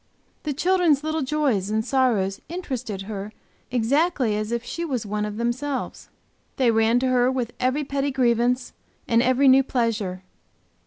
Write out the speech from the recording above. The children's little joys and sorrows interested her exactly as if she was one of themselves; they ran to her with every petty grievance, and every new pleasure.